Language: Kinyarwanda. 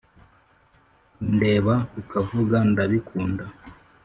kundeba ukavuga ndabikunda